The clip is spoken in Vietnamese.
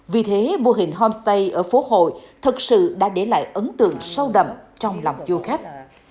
vì thế mô hình homestay ở phố hội thật sự đã để lại ấn tượng sâu đậm trong lòng du khách